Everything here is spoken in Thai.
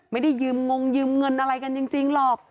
ไม่ได้ยืมงยืมเงินอะไรกันจริงหรอก